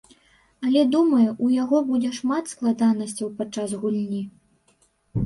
Але думаю, у яго будзе шмат складанасцяў падчас гульні.